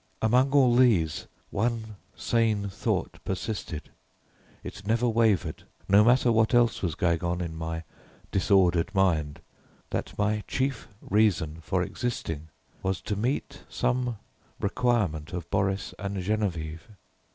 Among all these, one sane thought persisted. It never wavered, no matter what else was going on in my disordered mind, that my chief reason for existing was to meet some requirement of Boris and Geneviève.